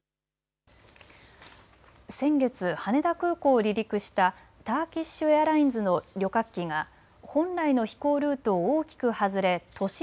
先月、羽田空港を離陸したターキッシュエアラインズの旅客機が本来の飛行ルートを大きく外れ都心